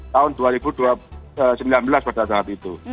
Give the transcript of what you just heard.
tahun dua ribu sembilan belas pada saat itu